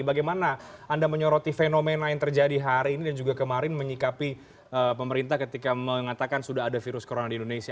bagaimana anda menyoroti fenomena yang terjadi hari ini dan juga kemarin menyikapi pemerintah ketika mengatakan sudah ada virus corona di indonesia